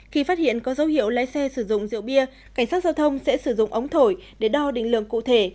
khi phát hiện có dấu hiệu lái xe sử dụng rượu bia cảnh sát giao thông sẽ sử dụng ống thổi để đo định lượng cụ thể